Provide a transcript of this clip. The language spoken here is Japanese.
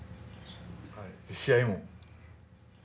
試合も。